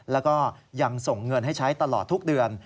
แล้วก็ยังส่งเงินให้ใช้ตลอดทุกเดือน